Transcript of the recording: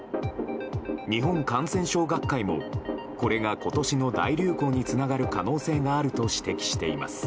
日本感染症学会もこれが今年の大流行につながる可能性があると指摘しています。